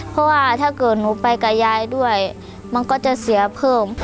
เพราะว่าถ้าเกิดหนูไปกับยายด้วยมันก็จะเสียเพิ่ม